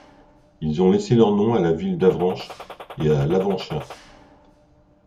Ils ont laissé leur nom à la ville d’Avranches et à l'Avranchin.